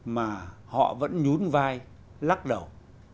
mà họ vẫn nhún vai lắc đầu